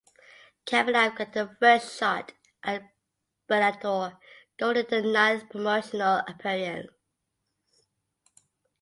Kavanagh got her first shot at Bellator gold in her ninth promotional appearance.